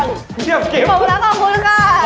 ครบแล้วขอบคุณค่ะ